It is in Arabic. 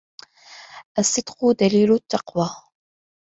الصدق دليل التقوى